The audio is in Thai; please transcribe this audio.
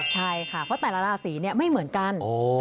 ใช่ค่ะเพราะแต่ละราศีไม่เหมือนกัน